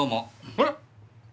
あれ？